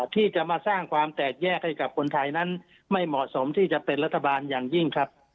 ที่จะมาสร้างความแตกแยกให้กับคนไทยนั้นไม่เหมาะสมที่จะเป็นรัฐบาลอย่างยิ่งครับ